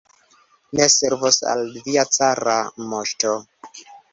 Ni servos al via cara moŝto!